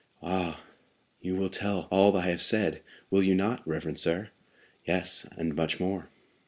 "Ah, you will tell all I have said, will you not, reverend sir?" "Yes, and much more."